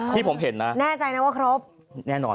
ที่ผมเห็นนะแน่ใจนะว่าครบ